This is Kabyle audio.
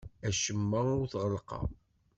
Acemma ur t-ɣellqeɣ.